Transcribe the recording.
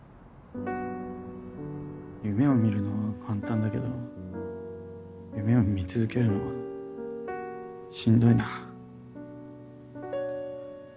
夢を見るのは簡単だけど夢を見続けるのはしんどいな。